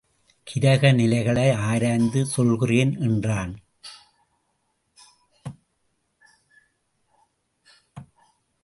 கிரக நிலைகளை ஆராய்ந்து சொல்கிறேன் என்றான்.